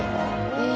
へえ。